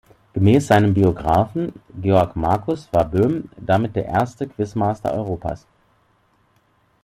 Gemäß seinem Biographen Georg Markus war Böhm damit der erste Quizmaster Europas.